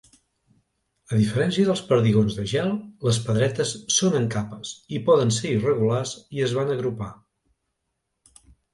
A diferència dels perdigons de gel, les pedretes són en capes i poden ser irregulars i es van agrupar.